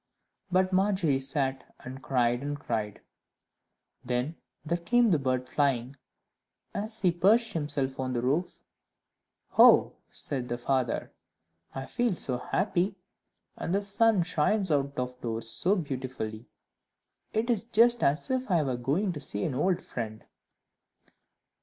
But Margery sat, and cried and cried. Then there came the bird flying, and as he perched himself on the roof, "Oh," said the father, "I feel so happy, and the sun shines out of doors so beautifully! It is just as if I were going to see an old friend.